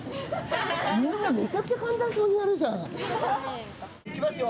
みんなむちゃくちゃ簡単そうにやるじゃん。